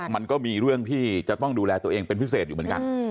มันก็มีเรื่องที่จะต้องดูแลตัวเองเป็นพิเศษอยู่เหมือนกัน